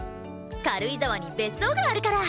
軽井沢に別荘があるから！